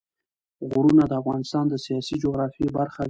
غرونه د افغانستان د سیاسي جغرافیه برخه ده.